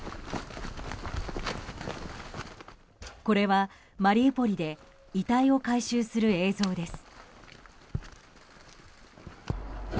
これはマリウポリで遺体を回収する映像です。